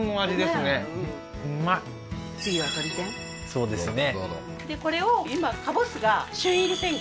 そうですね